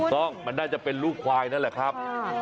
ต้องมันน่าจะเป็นลูกควายนั่นแหละครับ